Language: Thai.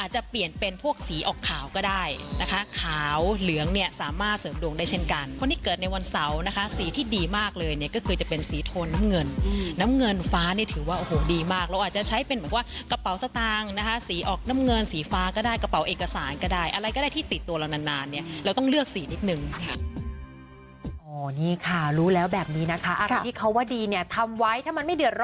จะเปลี่ยนเป็นพวกสีออกขาวก็ได้นะคะขาวเหลืองเนี่ยสามารถเสริมดวงได้เช่นกันคนที่เกิดในวันเสาร์นะคะสีที่ดีมากเลยเนี่ยก็คือจะเป็นสีโทนน้ำเงินน้ำเงินฟ้านี่ถือว่าโอ้โหดีมากเราอาจจะใช้เป็นแบบว่ากระเป๋าสตางค์นะคะสีออกน้ำเงินสีฟ้าก็ได้กระเป๋าเอกสารก็ได้อะไรก็ได้ที่ติดตัวเรานานนานเนี่ยเราต้องเลือกสีนิดนึงค่ะรู้แล้วแบบนี้นะคะ